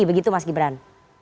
begitu mas gibran